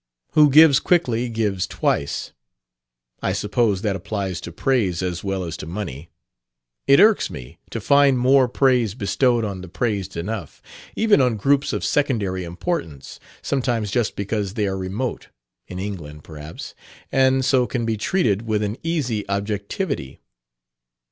Who gives quickly gives twice; I suppose that applies to praise as well as to money. It irks me to find more praise bestowed on the praised enough, even on groups of secondary importance, sometimes just because they are remote (in England, perhaps), and so can be treated with an easy objectivity.